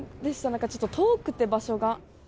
なんかちょっと遠くて、場所が。